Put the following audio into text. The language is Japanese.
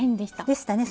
でしたね。